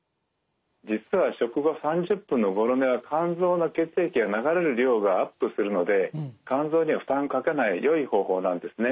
実は食後３０分のごろ寝は肝臓の血液が流れる量がアップするので肝臓には負担をかけないよい方法なんですね。